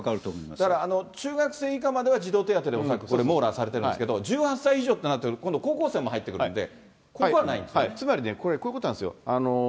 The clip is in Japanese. だから、中学生以下までは児童手当で恐らく、これ、網羅されているんですけど、１８歳以上ってなると、今度高校生も入ってくるんで、つまりね、こういうことなんですよ。